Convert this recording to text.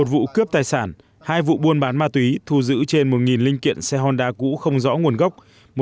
một vụ cướp tài sản hai vụ buôn bán ma túy thu giữ trên một linh kiện xe honda cũ không rõ nguồn gốc